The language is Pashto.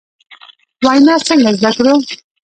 وینا څنګه زدکړو ؟